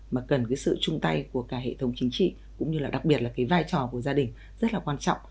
mà cần cái sự chung tay của cả hệ thống chính trị cũng như là đặc biệt là cái vai trò của gia đình rất là quan trọng